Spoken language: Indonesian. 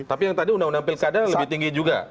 tapi yang tadi undang undang pilkada lebih tinggi juga